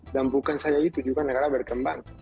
dan bukan saja itu juga negara berkembang